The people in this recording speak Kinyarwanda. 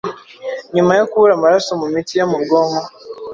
nyuma yo kubura amaraso mu mitsi yo mu bwonko